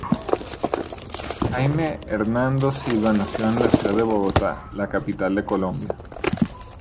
Jaime Hernando Silva nació en la ciudad de Bogotá, la capital de Colombia.